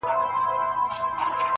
دښاغلی جهانی صاحب دغه شعر-